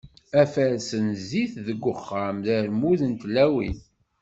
Afares n zzit deg uxxam, d armud n tlawin.